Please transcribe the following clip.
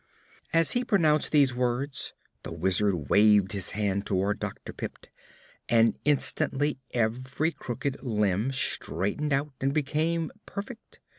As he pronounced these words the Wizard waved his hand toward Dr. Pipt and instantly every crooked limb straightened out and became perfect.